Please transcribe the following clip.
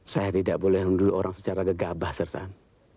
saya tidak boleh membelu orang secara gegabah sersan